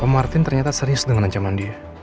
pak martin ternyata serius dengan ancaman dia